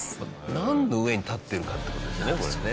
なんの上に立ってるかっていう事ですよねこれね。